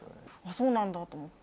そうなんだと思って。